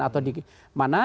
atau di mana